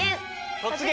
「突撃！